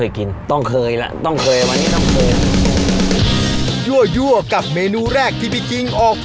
ยั่วยั่วกับเมนูแรกที่พี่กิ้งออก